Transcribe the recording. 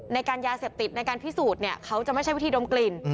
ในการยาเสพติดในการพิสูจน์เนี่ยเขาจะไม่ใช่วิธีดมกลิ่น